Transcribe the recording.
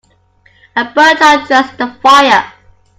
A burnt child dreads the fire.